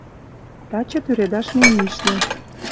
Таче тӱредаш ме мийышна.